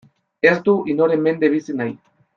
Ez du inoren mende bizi nahi.